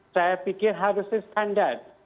saya pikir harusnya standar